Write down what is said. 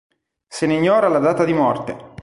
Se ne ignora la data di morte.